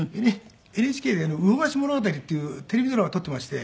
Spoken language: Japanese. ＮＨＫで『魚河岸ものがたり』っていうテレビドラマ撮っていまして。